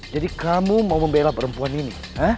jadi kamu mau membela perempuan ini